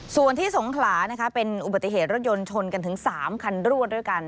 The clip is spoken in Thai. ส่วนที่สงขลานะคะเป็นอุบัติเหตุรถยนต์ชนกันถึง๓คันรวดด้วยกัน